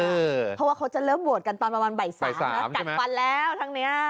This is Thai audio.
เพราะว่าเขาจะเริ่มโหวตกันตอนประมาณบ่าย๓นะกัดฟันแล้วทั้งนี้